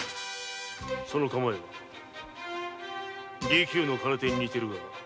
その構えは琉球の空手に似ているが違う。